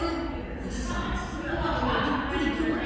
おじさんつづら開けてびっくり仰天。